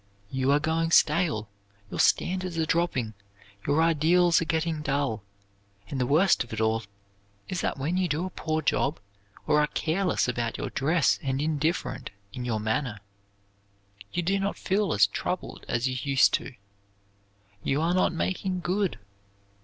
You are going stale, your standards are dropping, your ideals are getting dull, and the worst of it all is that when you do a poor job, or are careless about your dress and indifferent in your manner, you do not feel as troubled as you used to. You are not making good.